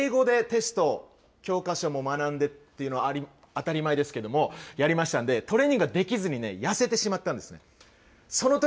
その勉強がやはり英語でテスト、教科書も学んでというのも当たり前ですけれども、やりましたんで、トレーニングができずに痩せてしまったんですね。